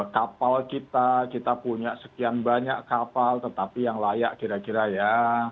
kapal kita kita punya sekian banyak kapal tetapi yang layak kira kira ya